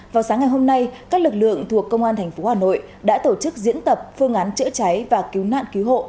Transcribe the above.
vào sáng ngày hôm nay các lực lượng thuộc công an tp hà nội đã tổ chức diễn tập phương án chữa cháy và cứu nạn cứu hộ